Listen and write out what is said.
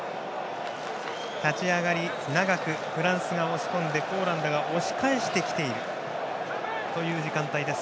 立ち上がり長くフランスが押し込んでポーランドが押し返してきているという時間帯です。